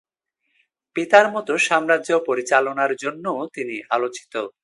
পিতার মত সাম্রাজ্য পরিচালনার জন্যও তিনি আলোচিত।